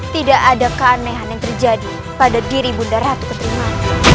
tidak ada keanehan yang terjadi pada diri bunda ratu keterima